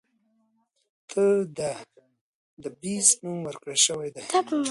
ته د “The Beast” نوم ورکړے شوے دے.